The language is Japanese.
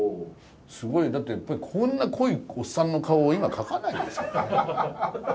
すごいだってこんな濃いおっさんの顔を今描かないですからね。